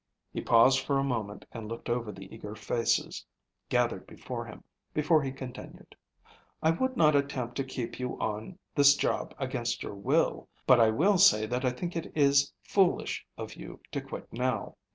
He paused for a moment and looked over the eager faces gathered before him, before he continued: "I would not attempt to keep you on this job against your will, but I will say that I think it is foolish of you to quit now.